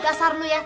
dasar lu ya